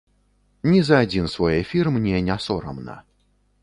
Ні за адзін свой эфір мне не сорамна.